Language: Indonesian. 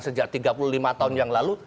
sejak tiga puluh lima tahun yang lalu